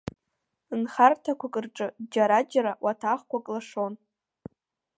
Нхарҭақәак рҿы џьара-џьара уаҭахқәак лашон.